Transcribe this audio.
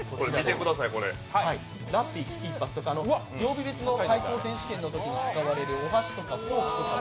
ラッピー危機一発とか曜日別対抗選手権のときに使われるお箸とかフォークとかも。